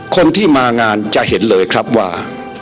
คนที่มางานจะเห็นเลยครับว่า